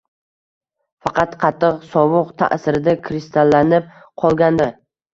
Faqat qattiq sovuq ta’sirida kristallanib qolgandi